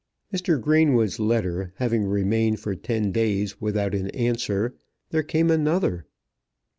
Mr. Greenwood's letter having remained for ten days without an answer, there came another.